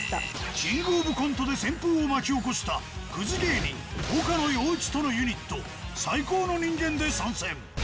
キングオブコントで旋風を巻き起こしたくず芸人、岡野陽一とのユニット、最高の人間で参戦。